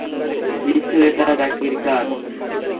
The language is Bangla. ঈশ্বর, এটা জ্যাকির কাজ!